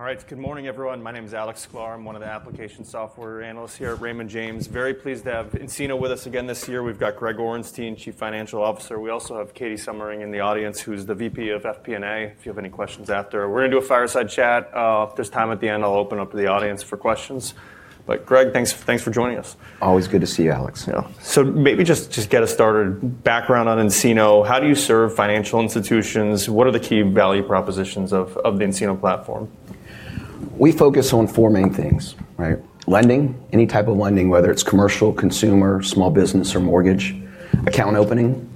All right. Good morning, everyone. My name is Alex Glover. I'm one of the application software analysts here at Raymond James. Very pleased to have nCino with us again this year. We've got Greg Orenstein, Chief Financial Officer. We also have Katie Summering in the audience, who's the VP of FP&A. If you have any questions after, we're going to do a fireside chat. If there's time at the end, I'll open up to the audience for questions. But, Greg, thanks for joining us. Always good to see you, Alex. Yeah. So maybe just get us started. Background on nCino: how do you serve financial institutions? What are the key value propositions of the nCino platform? We focus on four main things: lending, any type of lending, whether it's commercial, consumer, small business, or mortgage, account opening,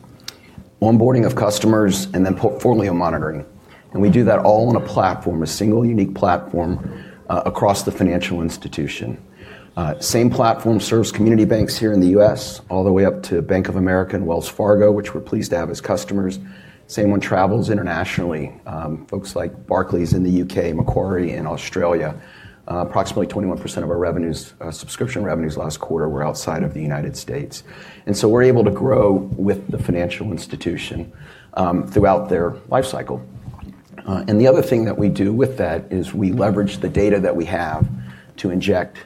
onboarding of customers, and then portfolio monitoring, and we do that all on a platform, a single unique platform across the financial institution. Same platform serves community banks here in the U.S., all the way up to Bank of America and Wells Fargo, which we're pleased to have as customers. Same one travels internationally. Folks like Barclays in the U.K., Macquarie in Australia. Approximately 21% of our subscription revenues last quarter were outside of the United States, and so we're able to grow with the financial institution throughout their lifecycle. The other thing that we do with that is we leverage the data that we have to inject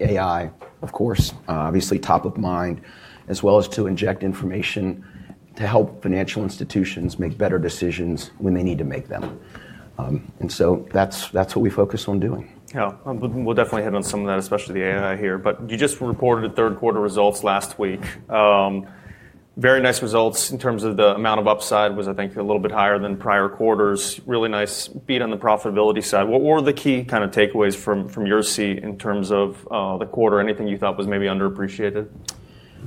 AI, of course, obviously top of mind, as well as to inject information to help financial institutions make better decisions when they need to make them. That's what we focus on doing. Yeah. We'll definitely hit on some of that, especially the AI here. But you just reported third quarter results last week. Very nice results in terms of the amount of upside was, I think, a little bit higher than prior quarters. Really nice beat on the profitability side. What were the key kind of takeaways from your seat in terms of the quarter? Anything you thought was maybe underappreciated?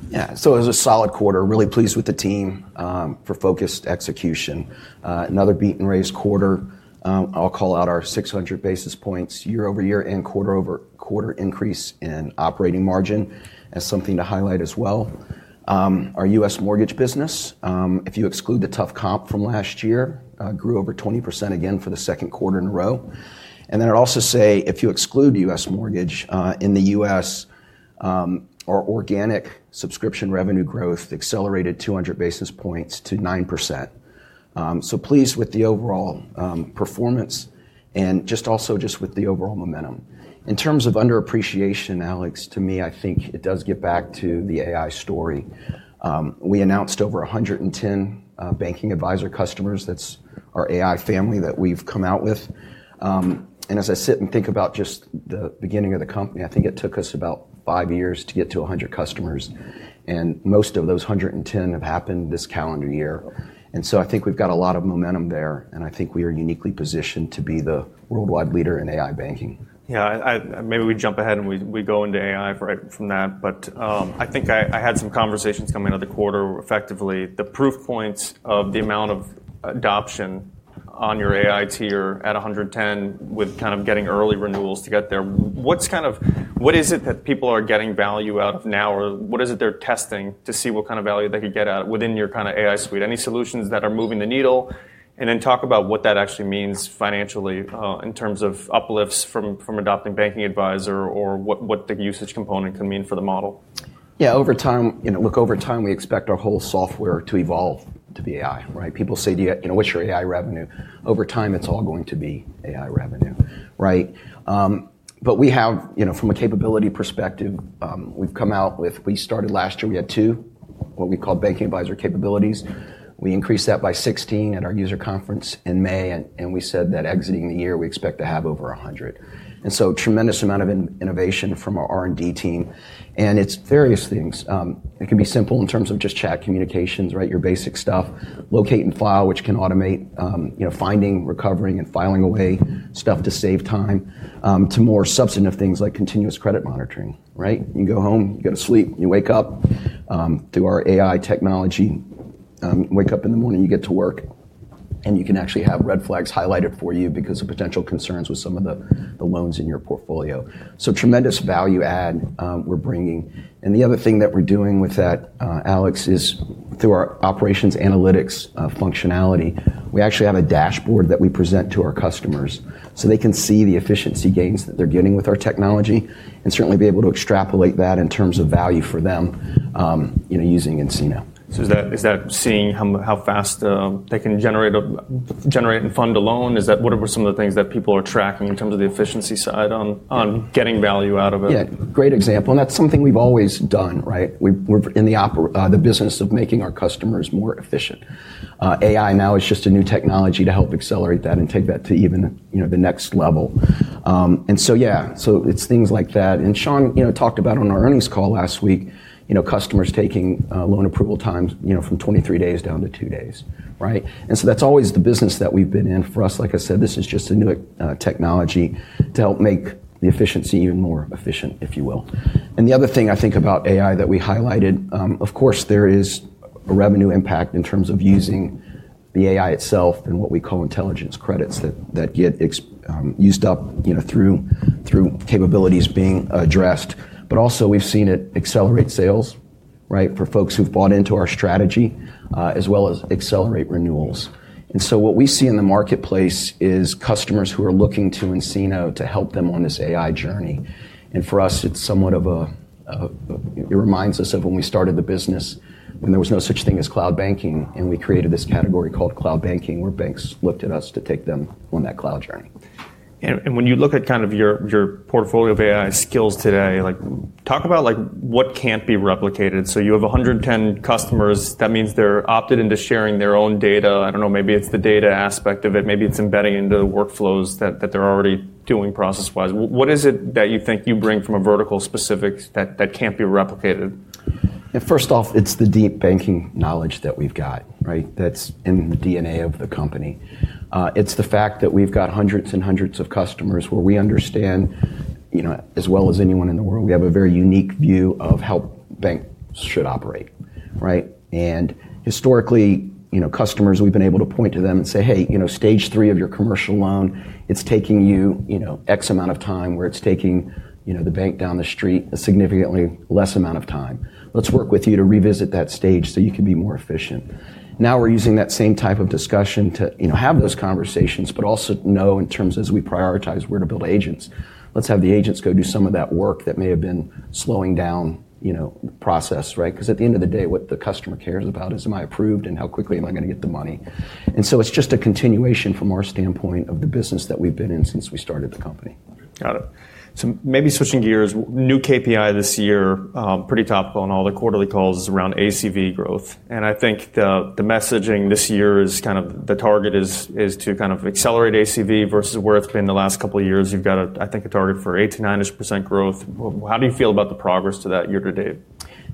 Yeah. So it was a solid quarter. Really pleased with the team for focused execution. Another beat-and-raise quarter. I'll call out our 600 basis points year-over-year and quarter-over-quarter increase in operating margin as something to highlight as well. Our U.S. mortgage business, if you exclude the tough comp from last year, grew over 20% again for the second quarter in a row. And then I'd also say, if you exclude U.S. mortgage, in the U.S., our organic subscription revenue growth accelerated 200 basis points to 9%. So pleased with the overall performance and just also with the overall momentum. In terms of underappreciation, Alex, to me, I think it does get back to the AI story. We announced over 110 Banking Advisor customers. That's our AI family that we've come out with. And as I sit and think about just the beginning of the company, I think it took us about five years to get to 100 customers. And most of those 110 have happened this calendar year. And so I think we've got a lot of momentum there. And I think we are uniquely positioned to be the worldwide leader in AI banking. Yeah. Maybe we jump ahead and we go into AI right from that. But I think I had some conversations coming out of the quarter. Effectively, the proof points of the amount of adoption on your AI tier at 110 with kind of getting early renewals to get there. What's kind of, what is it that people are getting value out of now? Or what is it they're testing to see what kind of value they could get out of your kind of AI suite? Any solutions that are moving the needle? And then talk about what that actually means financially in terms of uplifts from adopting Banking Advisor or what the usage component can mean for the model. Yeah. Over time, look, over time, we expect our whole software to evolve to be AI. People say, what's your AI revenue? Over time, it's all going to be AI revenue. But we have, from a capability perspective, we've come out with we started last year, we had two, what we call Banking Advisor capabilities. We increased that by 16 at our user conference in May. And we said that exiting the year, we expect to have over 100. And so tremendous amount of innovation from our R&D team. And it's various things. It can be simple in terms of just chat communications, your basic stuff, Locate & File, which can automate finding, recovering, and filing away stuff to save time, to more substantive things like Continuous Credit Monitoring. You go home, you go to sleep, you wake up through our AI technology. Wake up in the morning, you get to work, and you can actually have red flags highlighted for you because of potential concerns with some of the loans in your portfolio. So tremendous value add we're bringing. And the other thing that we're doing with that, Alex, is through our operations analytics functionality, we actually have a dashboard that we present to our customers so they can see the efficiency gains that they're getting with our technology and certainly be able to extrapolate that in terms of value for them using nCino. So is that seeing how fast they can generate and fund a loan? What are some of the things that people are tracking in terms of the efficiency side on getting value out of it? Yeah. Great example. And that's something we've always done. We're in the business of making our customers more efficient. AI now is just a new technology to help accelerate that and take that to even the next level. And so, yeah, so it's things like that. And talked about on our earnings call last week, customers taking loan approval times from 23 days down to two days. And so that's always the business that we've been in. For us, like I said, this is just a new technology to help make the efficiency even more efficient, if you will. And the other thing I think about AI that we highlighted, of course, there is a revenue impact in terms of using the AI itself and what we call Intelligence Credits that get used up through capabilities being addressed. But also, we've seen it accelerate sales for folks who've bought into our strategy, as well as accelerate renewals. And so what we see in the marketplace is customers who are looking to nCino to help them on this AI journey. And for us, it's somewhat of a. It reminds us of when we started the business, when there was no such thing as cloud banking, and we created this category called cloud banking, where banks looked at us to take them on that cloud journey. And when you look at kind of your portfolio of AI skills today, talk about what can't be replicated. So you have 110 customers. That means they're opted into sharing their own data. I don't know, maybe it's the data aspect of it. Maybe it's embedding into the workflows that they're already doing process-wise. What is it that you think you bring from a vertical specific that can't be replicated? First off, it's the deep banking knowledge that we've got. That's in the DNA of the company. It's the fact that we've got hundreds and hundreds of customers where we understand, as well as anyone in the world, we have a very unique view of how banks should operate, and historically, customers, we've been able to point to them and say, hey, stage three of your commercial loan, it's taking you X amount of time, where it's taking the bank down the street a significantly less amount of time. Let's work with you to revisit that stage so you can be more efficient. Now we're using that same type of discussion to have those conversations, but also know in terms as we prioritize where to build agents, let's have the agents go do some of that work that may have been slowing down the process. Because at the end of the day, what the customer cares about is, am I approved? And how quickly am I going to get the money? And so it's just a continuation from our standpoint of the business that we've been in since we started the company. Got it. So maybe switching gears, new KPI this year, pretty topical in all the quarterly calls, is around ACV growth. And I think the messaging this year is kind of the target is to kind of accelerate ACV versus where it's been the last couple of years. You've got, I think, a target for 80%-90% growth. How do you feel about the progress to that year to date?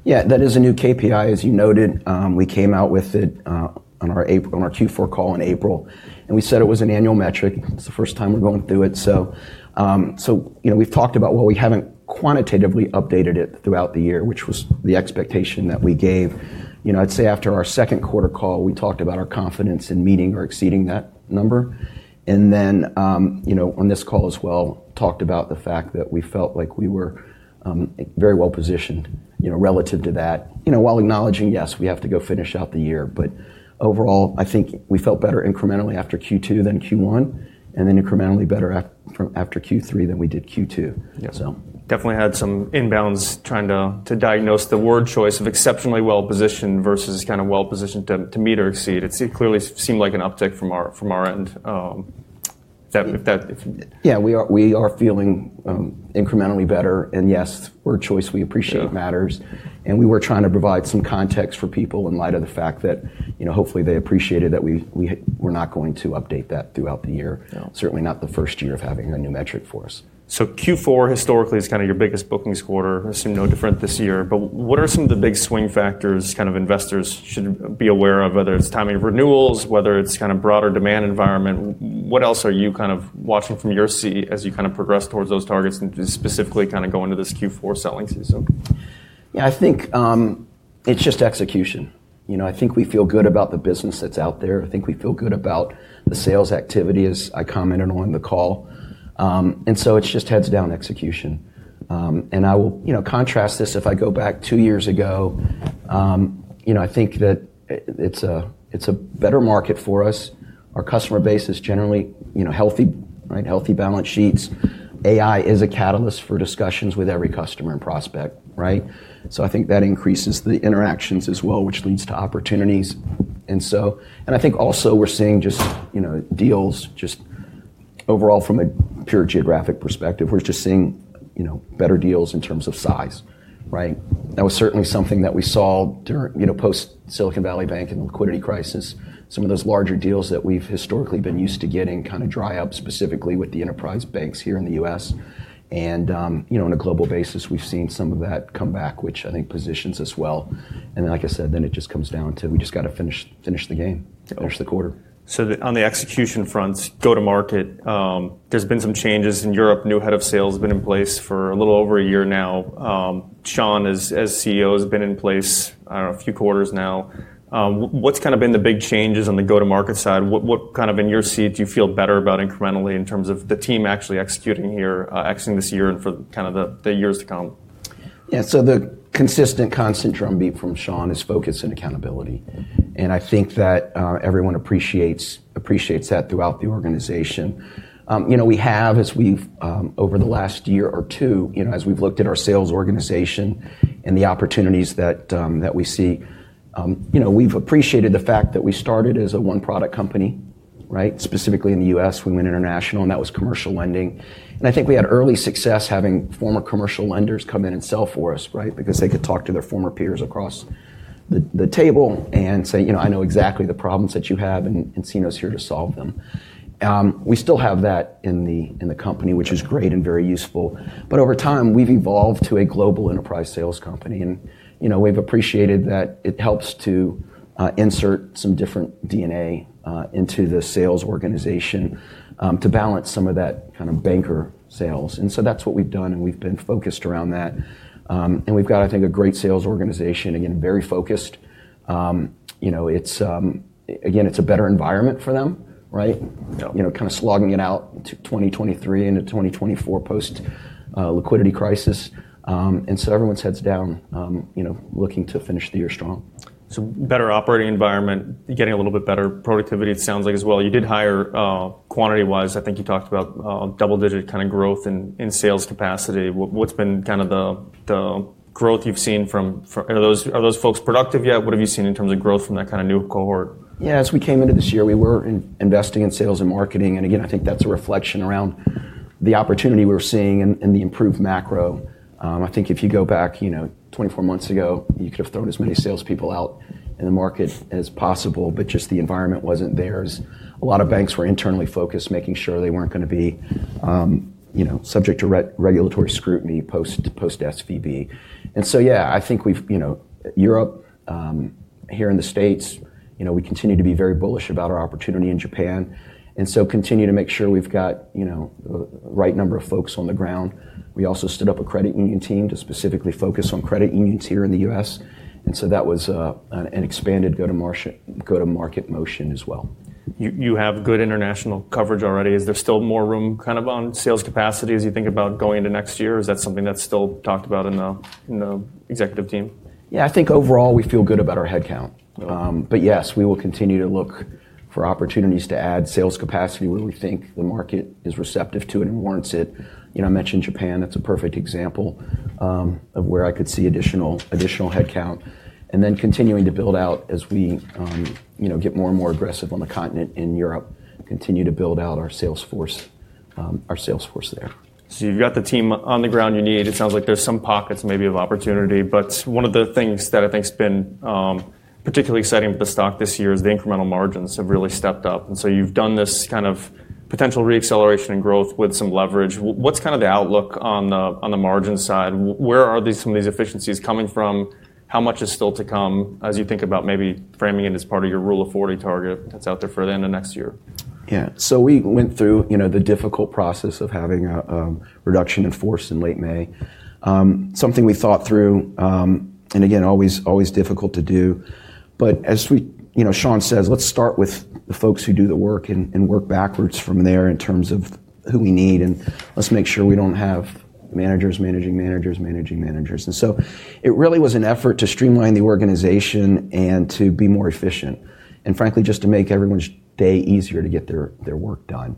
Yeah. That is a new KPI, as you noted. We came out with it on our Q4 call in April, and we said it was an annual metric. It's the first time we're going through it, so we've talked about, well, we haven't quantitatively updated it throughout the year, which was the expectation that we gave. I'd say after our second quarter call, we talked about our confidence in meeting or exceeding that number, and then on this call as well, talked about the fact that we felt like we were very well positioned relative to that, while acknowledging, yes, we have to go finish out the year, but overall, I think we felt better incrementally after Q2 than Q1, and then incrementally better after Q3 than we did Q2. Definitely had some inbounds trying to diagnose the word choice of exceptionally well positioned versus kind of well positioned to meet or exceed. It clearly seemed like an uptick from our end. Yeah. We are feeling incrementally better. And yes, word choice, we appreciate it matters. And we were trying to provide some context for people in light of the fact that hopefully they appreciated that we were not going to update that throughout the year. Certainly not the first year of having a new metric for us. So Q4 historically is kind of your biggest bookings quarter. I assume no different this year. But what are some of the big swing factors kind of investors should be aware of, whether it's timing of renewals, whether it's kind of broader demand environment? What else are you kind of watching from your seat as you kind of progress towards those targets and specifically kind of go into this Q4 selling season? Yeah. I think it's just execution. I think we feel good about the business that's out there. I think we feel good about the sales activity, as I commented on the call. And so it's just heads down execution. And I will contrast this if I go back two years ago. I think that it's a better market for us. Our customer base is generally healthy, healthy balance sheets. AI is a catalyst for discussions with every customer and prospect. So I think that increases the interactions as well, which leads to opportunities. And I think also we're seeing just deals just overall from a pure geographic perspective. We're just seeing better deals in terms of size. That was certainly something that we saw post-Silicon Valley Bank and the liquidity crisis. Some of those larger deals that we've historically been used to getting kind of dry up specifically with the enterprise banks here in the U.S., and on a global basis, we've seen some of that come back, which I think positions us well, and like I said, then it just comes down to we just got to finish the game, finish the quarter. So on the execution fronts, go-to-market, there's been some changes in Europe. New head of sales has been in place for a little over a year now. Pierre Naudé, as CEO, has been in place a few quarters now. What's kind of been the big changes on the go-to-market side? What kind of in your seat do you feel better about incrementally in terms of the team actually executing here this year and for kind of the years to come? Yeah. So the consistent drumbeat from Sean Desmond is focus and accountability. And I think that everyone appreciates that throughout the organization. We have, over the last year or two, as we've looked at our sales organization and the opportunities that we see, we've appreciated the fact that we started as a one-product company. Specifically in the U.S., we went international, and that was commercial lending. And I think we had early success having former commercial lenders come in and sell for us because they could talk to their former peers across the table and say, I know exactly the problems that you have, and nCino's here to solve them. We still have that in the company, which is great and very useful. But over time, we've evolved to a global enterprise sales company. And we've appreciated that it helps to insert some different DNA into the sales organization to balance some of that kind of banker sales. And so that's what we've done, and we've been focused around that. And we've got, I think, a great sales organization, again, very focused. Again, it's a better environment for them, kind of slogging it out to 2023 into 2024 post-liquidity crisis. And so everyone's heads down looking to finish the year strong. So better operating environment, getting a little bit better productivity, it sounds like as well. You did hire quantity-wise. I think you talked about double-digit kind of growth in sales capacity. What's been kind of the growth you've seen from those folks? Are those folks productive yet? What have you seen in terms of growth from that kind of new cohort? Yeah. As we came into this year, we were investing in sales and marketing. And again, I think that's a reflection around the opportunity we're seeing and the improved macro. I think if you go back 24 months ago, you could have thrown as many salespeople out in the market as possible, but just the environment wasn't theirs. A lot of banks were internally focused, making sure they weren't going to be subject to regulatory scrutiny post-SVB. And so, yeah, I think Europe, here in the States, we continue to be very bullish about our opportunity in Japan. And so continue to make sure we've got the right number of folks on the ground. We also stood up a credit union team to specifically focus on credit unions here in the US. And so that was an expanded go-to-market motion as well. You have good international coverage already. Is there still more room kind of on sales capacity as you think about going into next year? Is that something that's still talked about in the executive team? Yeah. I think overall, we feel good about our headcount. But yes, we will continue to look for opportunities to add sales capacity where we think the market is receptive to it and warrants it. I mentioned Japan. That's a perfect example of where I could see additional headcount. And then continuing to build out as we get more and more aggressive on the continent in Europe, continue to build out our sales force there. So you've got the team on the ground you need. It sounds like there's some pockets maybe of opportunity. But one of the things that I think has been particularly exciting with the stock this year is the incremental margins have really stepped up. And so you've done this kind of potential re-acceleration and growth with some leverage. What's kind of the outlook on the margin side? Where are some of these efficiencies coming from? How much is still to come as you think about maybe framing it as part of your Rule of 40 target that's out there for the end of next year? Yeah. So we went through the difficult process of having a reduction in force in late May. Something we thought through, and again, always difficult to do. But as Sean Desmond says, let's start with the folks who do the work and work backwards from there in terms of who we need. And let's make sure we don't have managers managing managers managing managers. And so it really was an effort to streamline the organization and to be more efficient, and frankly, just to make everyone's day easier to get their work done.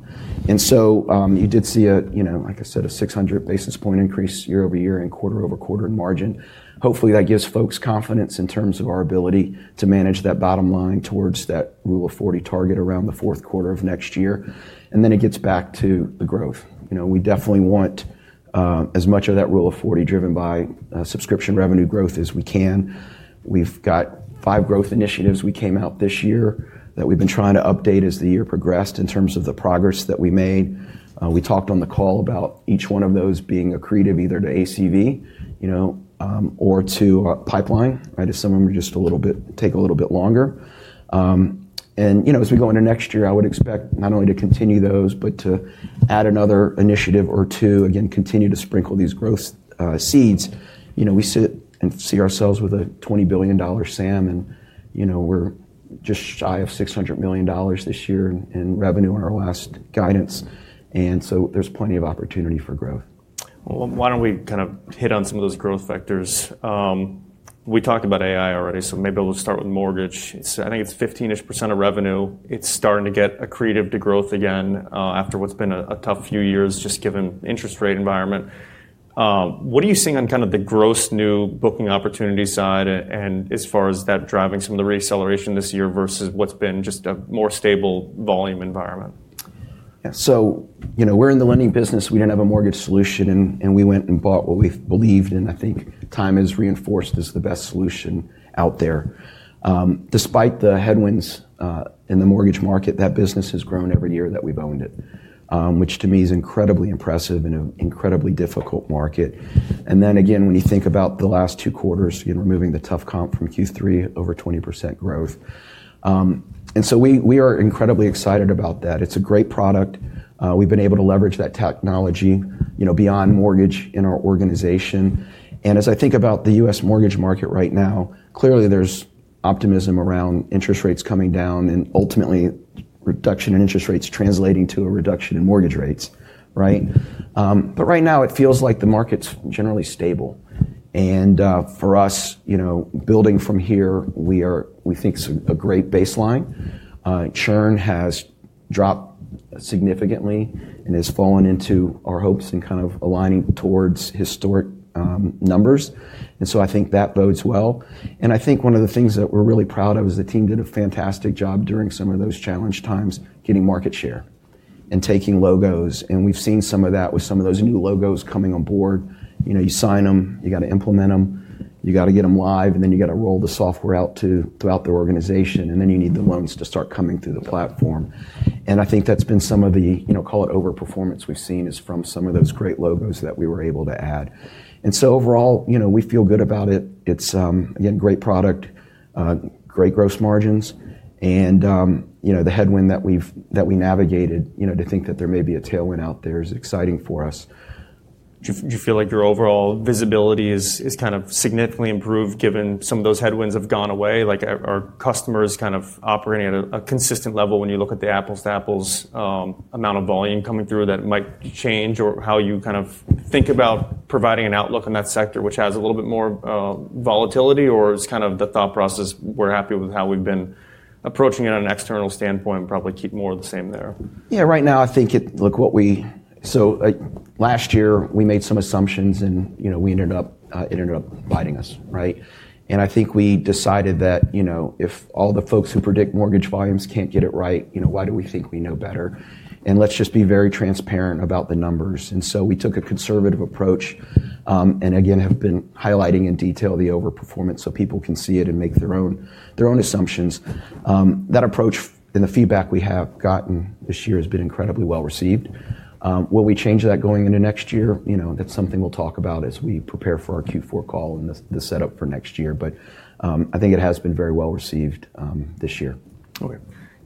And so you did see, like I said, a 600 basis points increase year-over-year and quarter over quarter in margin. Hopefully, that gives folks confidence in terms of our ability to manage that bottom line towards that Rule of 40 target around the fourth quarter of next year. And then it gets back to the growth. We definitely want as much of that Rule of 40 driven by subscription revenue growth as we can. We've got five growth initiatives we came out this year that we've been trying to update as the year progressed in terms of the progress that we made. We talked on the call about each one of those being accretive either to ACV or to pipeline if some of them just take a little bit longer, and as we go into next year, I would expect not only to continue those, but to add another initiative or two, again, continue to sprinkle these growth seeds. We sit and see ourselves with a $20 billion SAM, and we're just shy of $600 million this year in revenue on our last guidance, and so there's plenty of opportunity for growth. Why don't we kind of hit on some of those growth factors? We talked about AI already, so maybe we'll start with mortgage. I think it's 15-ish% of revenue. It's starting to get accretive to growth again after what's been a tough few years just given the interest rate environment. What are you seeing on kind of the gross new booking opportunity side and as far as that driving some of the re-acceleration this year versus what's been just a more stable volume environment? Yeah, so we're in the lending business. We didn't have a mortgage solution, and we went and bought what we believed, and I think time has reinforced is the best solution out there. Despite the headwinds in the mortgage market, that business has grown every year that we've owned it, which to me is incredibly impressive in an incredibly difficult market, and then again, when you think about the last two quarters, removing the tough comp from Q3, over 20% growth, and so we are incredibly excited about that. It's a great product. We've been able to leverage that technology beyond mortgage in our organization, and as I think about the U.S. mortgage market right now, clearly there's optimism around interest rates coming down and ultimately reduction in interest rates translating to a reduction in mortgage rates, but right now, it feels like the market's generally stable. And for us, building from here, we think it's a great baseline. Churn has dropped significantly and has fallen into our hopes and kind of aligning towards historic numbers. And so I think that bodes well. And I think one of the things that we're really proud of is the team did a fantastic job during some of those challenging times getting market share and taking logos. And we've seen some of that with some of those new logos coming on board. You sign them, you got to implement them, you got to get them live, and then you got to roll the software out throughout the organization. And then you need the loans to start coming through the platform. And I think that's been some of the, call it overperformance we've seen is from some of those great logos that we were able to add. So overall, we feel good about it. It's a great product, great gross margins. The headwind that we navigated to think that there may be a tailwind out there is exciting for us. Do you feel like your overall visibility is kind of significantly improved given some of those headwinds have gone away? Are customers kind of operating at a consistent level when you look at the apples-to-apples amount of volume coming through that might change or how you kind of think about providing an outlook in that sector, which has a little bit more volatility? Or is kind of the thought process, we're happy with how we've been approaching it on an external standpoint, probably keep more of the same there? Yeah. Right now, I think it looks like what we saw last year. We made some assumptions, and it ended up biting us. I think we decided that if all the folks who predict mortgage volumes can't get it right, why do we think we know better? Let's just be very transparent about the numbers. We took a conservative approach and again have been highlighting in detail the overperformance so people can see it and make their own assumptions. That approach and the feedback we have gotten this year has been incredibly well received. Will we change that going into next year? That's something we'll talk about as we prepare for our Q4 call and the setup for next year. I think it has been very well received this year. Okay.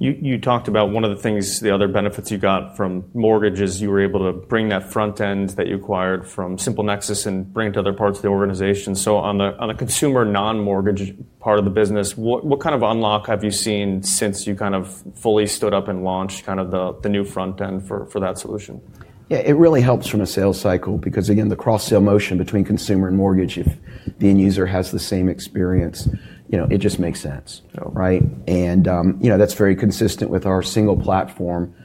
You talked about one of the things, the other benefits you got from mortgage is you were able to bring that front end that you acquired from SimpleNexus and bring it to other parts of the organization. So on the consumer non-mortgage part of the business, what kind of unlock have you seen since you kind of fully stood up and launched kind of the new front end for that solution? Yeah. It really helps from a sales cycle because again, the cross-sell motion between consumer and mortgage, if the end user has the same experience, it just makes sense. And that's very consistent with our single platform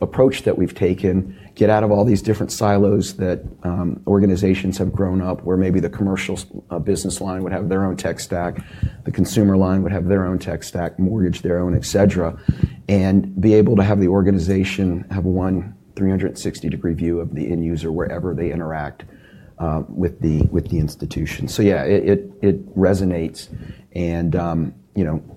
approach that we've taken, get out of all these different silos that organizations have grown up where maybe the commercial business line would have their own tech stack, the consumer line would have their own tech stack, mortgage their own, etc, and be able to have the organization have one 360-degree view of the end user wherever they interact with the institution. So yeah, it resonates. And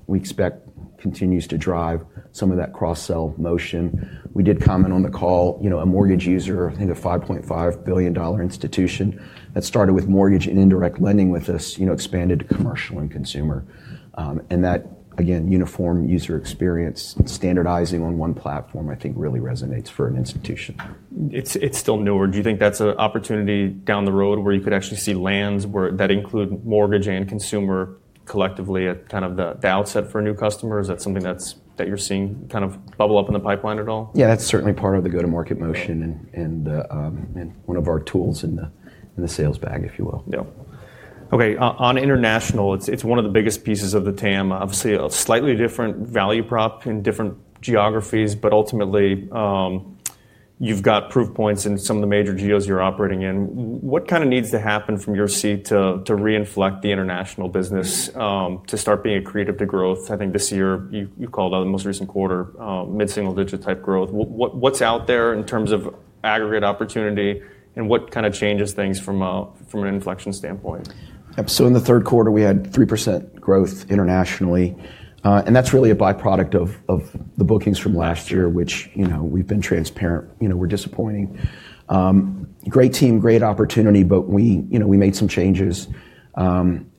we expect continues to drive some of that cross-sell motion. We did comment on the call, a mortgage user, I think a $5.5 billion institution that started with mortgage and indirect lending with us, expanded to commercial and consumer. That, again, uniform user experience, standardizing on one platform, I think really resonates for an institution. It's still newer. Do you think that's an opportunity down the road where you could actually see lands that include mortgage and consumer collectively at kind of the outset for a new customer? Is that something that you're seeing kind of bubble up in the pipeline at all? Yeah. That's certainly part of the go-to-market motion and one of our tools in the sales bag, if you will. Yeah. Okay. On international, it's one of the biggest pieces of the TAM. Obviously, a slightly different value prop in different geographies, but ultimately, you've got proof points in some of the major geos you're operating in. What kind of needs to happen from your seat to reinflect the international business to start being accretive to growth? I think this year, you called out the most recent quarter, mid-single digit type growth. What's out there in terms of aggregate opportunity and what kind of changes things from an inflection standpoint? Yep. So in the third quarter, we had 3% growth internationally, and that's really a byproduct of the bookings from last year, which we've been transparent we're disappointing. Great team, great opportunity, but we made some changes,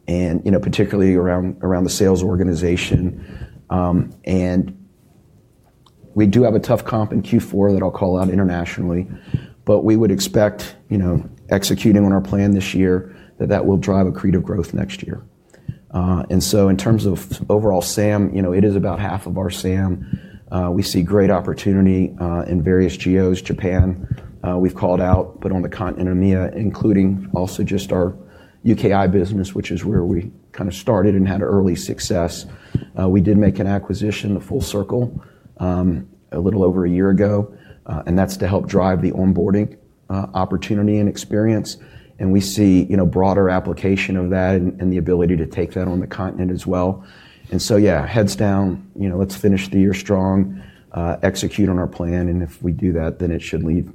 particularly around the sales organization, and we do have a tough comp in Q4 that I'll call out internationally, but we would expect executing on our plan this year that that will drive accretive growth next year, and so in terms of overall SAM, it is about half of our SAM. We see great opportunity in various geos. Japan, we've called out, but on the continent of EMEA, including also just our UKI business, which is where we kind of started and had early success. We did make an acquisition, FullCircl, a little over a year ago, and that's to help drive the onboarding opportunity and experience. And we see broader application of that and the ability to take that on the continent as well. And so yeah, heads down, let's finish the year strong, execute on our plan. And if we do that, then it should lead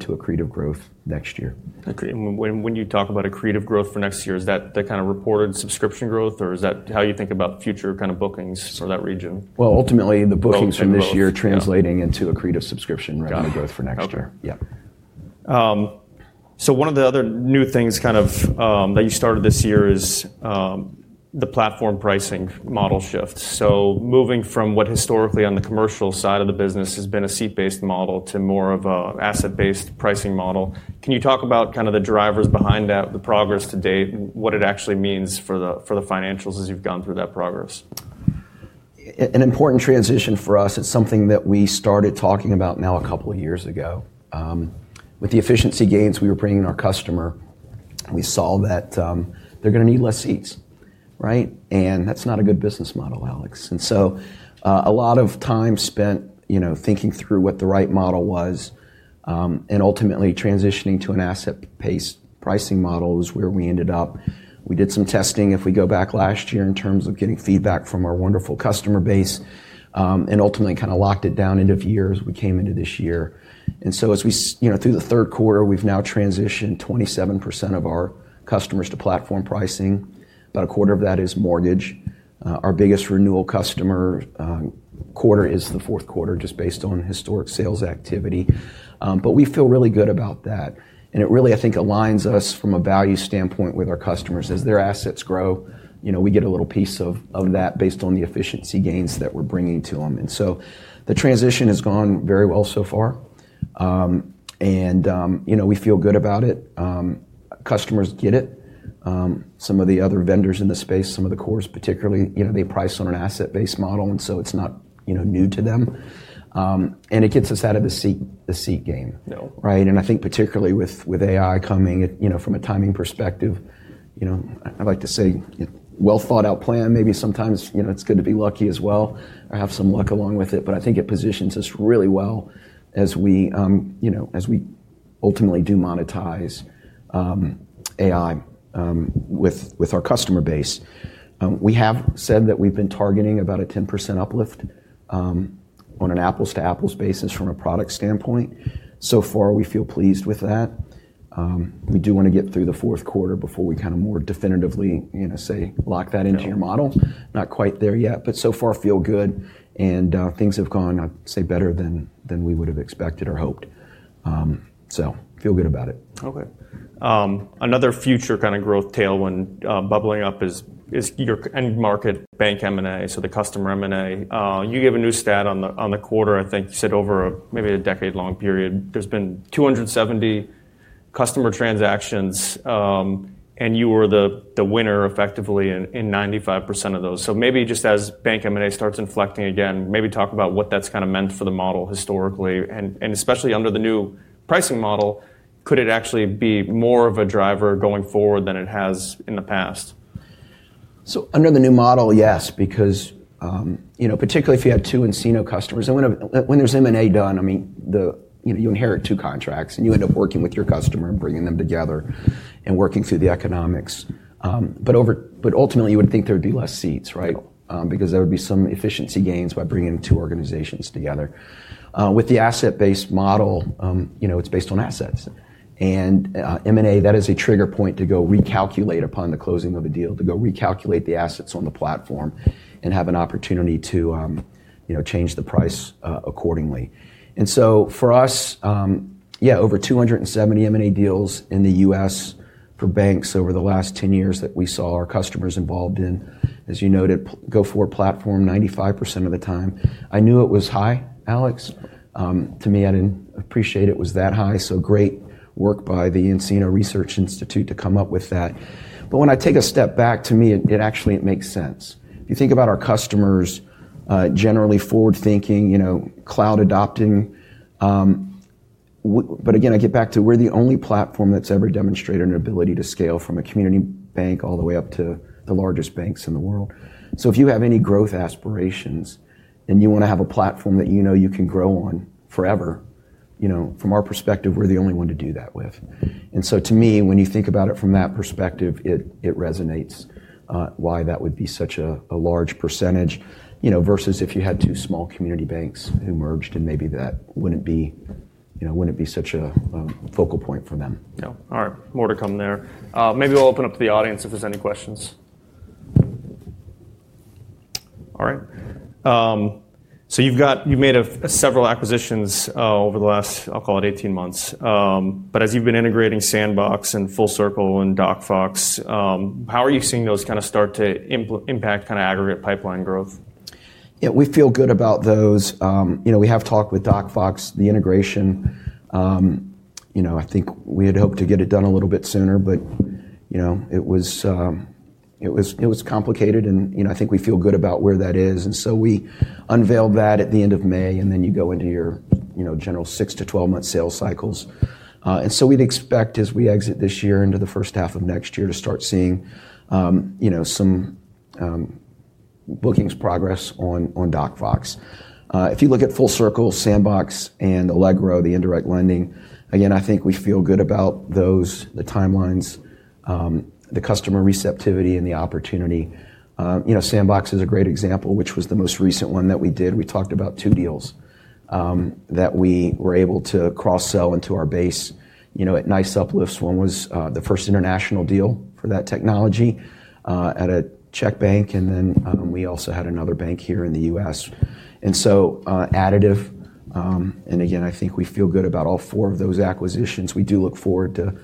to accretive growth next year. Agreed. When you talk about accretive growth for next year, is that the kind of reported subscription growth, or is that how you think about future kind of bookings for that region? Ultimately, the bookings from this year translating into accretive subscription revenue growth for next year. Got it. Yeah. So one of the other new things kind of that you started this year is the platform pricing model shift. So moving from what historically on the commercial side of the business has been a seat-based model to more of an asset-based pricing model. Can you talk about kind of the drivers behind that, the progress to date, what it actually means for the financials as you've gone through that progress? An important transition for us. It's something that we started talking about now a couple of years ago. With the efficiency gains we were bringing in our customer, we saw that they're going to need less seats, and that's not a good business model, Alex, and so a lot of time spent thinking through what the right model was and ultimately transitioning to an asset-based pricing model is where we ended up. We did some testing. If we go back last year in terms of getting feedback from our wonderful customer base and ultimately kind of locked it down end of year, as we came into this year, and so through the third quarter, we've now transitioned 27% of our customers to platform pricing. About a quarter of that is mortgage. Our biggest renewal customer quarter is the fourth quarter, just based on historic sales activity. But we feel really good about that. And it really, I think, aligns us from a value standpoint with our customers. As their assets grow, we get a little piece of that based on the efficiency gains that we're bringing to them. And so the transition has gone very well so far. And we feel good about it. Customers get it. Some of the other vendors in the space, some of the cores particularly, they price on an asset-based model, and so it's not new to them. And it gets us out of the seat game. And I think particularly with AI coming from a timing perspective, I like to say well-thought-out plan, maybe sometimes it's good to be lucky as well or have some luck along with it. But I think it positions us really well as we ultimately do monetize AI with our customer base. We have said that we've been targeting about a 10% uplift on an apples-to-apples basis from a product standpoint. So far, we feel pleased with that. We do want to get through the fourth quarter before we kind of more definitively say, "Lock that into your model." Not quite there yet, but so far feel good. And things have gone, I'd say, better than we would have expected or hoped. So feel good about it. Okay. Another future kind of growth tailwind bubbling up is your end market bank M&A, so the customer M&A. You gave a new stat on the quarter, I think you said over maybe a decade-long period. There's been 270 customer transactions, and you were the winner effectively in 95% of those. So maybe just as bank M&A starts inflecting again, maybe talk about what that's kind of meant for the model historically. And especially under the new pricing model, could it actually be more of a driver going forward than it has in the past? So under the new model, yes, because particularly if you have two nCino customers, when there's M&A done, I mean, you inherit two contracts and you end up working with your customer and bringing them together and working through the economics. But ultimately, you would think there would be less seats because there would be some efficiency gains by bringing two organizations together. With the asset-based model, it's based on assets. And M&A, that is a trigger point to go recalculate upon the closing of a deal, to go recalculate the assets on the platform and have an opportunity to change the price accordingly. And so for us, yeah, over 270 M&A deals in the U.S. for banks over the last 10 years that we saw our customers involved in, as you noted, go-forward platform 95% of the time. I knew it was high, Alex. To me, I didn't appreciate it was that high. So great work by the nCino Research Institute to come up with that. But when I take a step back, to me, it actually makes sense. If you think about our customers generally forward-thinking, cloud adopting, but again, I get back to we're the only platform that's ever demonstrated an ability to scale from a community bank all the way up to the largest banks in the world. So if you have any growth aspirations and you want to have a platform that you know you can grow on forever, from our perspective, we're the only one to do that with. And so, to me, when you think about it from that perspective, it resonates why that would be such a large percentage versus if you had two small community banks who merged, and maybe that wouldn't be such a focal point for them. Yeah. All right. More to come there. Maybe we'll open up to the audience if there's any questions. All right. So you've made several acquisitions over the last, I'll call it, 18 months. But as you've been integrating SimpleNexus and FullCircl and DocFox, how are you seeing those kind of start to impact kind of aggregate pipeline growth? Yeah. We feel good about those. We have talked with DocFox, the integration. I think we had hoped to get it done a little bit sooner, but it was complicated. And I think we feel good about where that is. And so we unveiled that at the end of May, and then you go into your general six-to-12-month sales cycles. And so we'd expect, as we exit this year into the first half of next year, to start seeing some bookings progress on DocFox. If you look at FullCircl, Sandbox Banking, and Allegro, the indirect lending, again, I think we feel good about those, the timelines, the customer receptivity, and the opportunity. Sandbox Banking is a great example, which was the most recent one that we did. We talked about two deals that we were able to cross-sell into our base at nice uplifts. One was the first international deal for that technology at a Czech bank, and then we also had another bank here in the U.S., and so additive, and again, I think we feel good about all four of those acquisitions. We do look forward to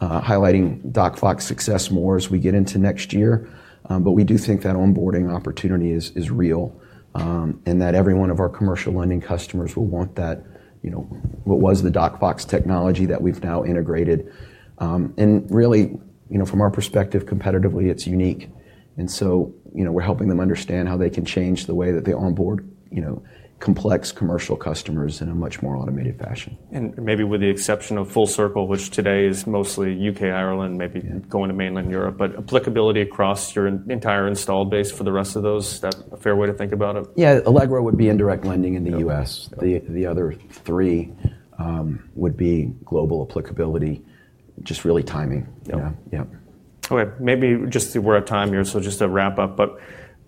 highlighting DocFox's success more as we get into next year, but we do think that onboarding opportunity is real and that every one of our commercial lending customers will want that. What was the DocFox technology that we've now integrated, and really, from our perspective, competitively, it's unique, and so we're helping them understand how they can change the way that they onboard complex commercial customers in a much more automated fashion. Maybe with the exception of FullCircl, which today is mostly U.K., Ireland, maybe going to mainland Europe, but applicability across your entire installed base for the rest of those, is that a fair way to think about it? Yeah. Allegro would be indirect lending in the U.S. The other three would be global applicability, just really timing. Yeah. Okay. Maybe just we're at time here, so just to wrap up. But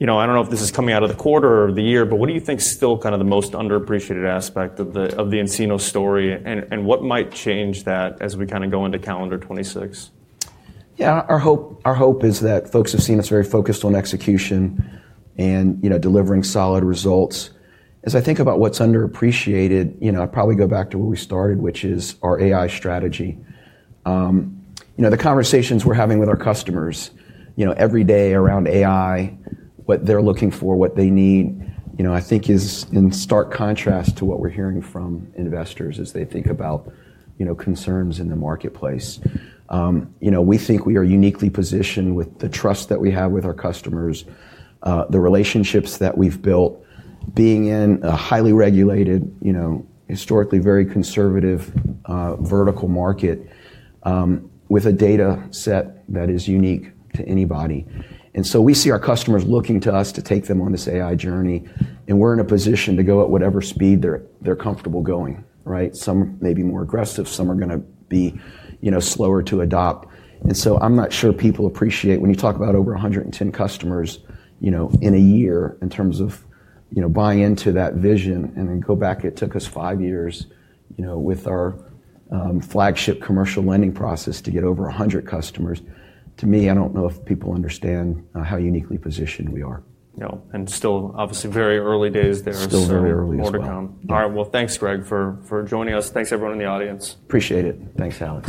I don't know if this is coming out of the quarter or the year, but what do you think is still kind of the most underappreciated aspect of the nCino story? And what might change that as we kind of go into calendar 2026? Yeah. Our hope is that folks have seen us very focused on execution and delivering solid results. As I think about what's underappreciated, I probably go back to where we started, which is our AI strategy. The conversations we're having with our customers every day around AI, what they're looking for, what they need, I think is in stark contrast to what we're hearing from investors as they think about concerns in the marketplace. We think we are uniquely positioned with the trust that we have with our customers, the relationships that we've built, being in a highly regulated, historically very conservative vertical market with a data set that is unique to anybody. And so we see our customers looking to us to take them on this AI journey. And we're in a position to go at whatever speed they're comfortable going. Some may be more aggressive. Some are going to be slower to adopt. And so I'm not sure people appreciate when you talk about over 110 customers in a year in terms of buying into that vision and then go back, it took us five years with our flagship commercial lending process to get over 100 customers. To me, I don't know if people understand how uniquely positioned we are. No. And still obviously very early days there. Still very early, sir. All right. Well, thanks, Greg, for joining us. Thanks, everyone in the audience. Appreciate it. Thanks, Alex.